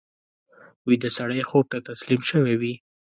ویده سړی خوب ته تسلیم شوی وي